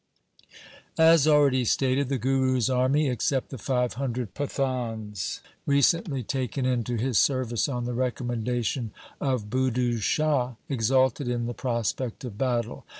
As already stated, the Guru's army except the five hundred Pathans recently taken into his service on the recommendation of Budhu Shah, exulted in the prospect of battle.